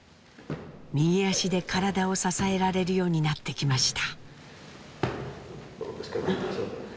右足で体を支えられるようになってきました。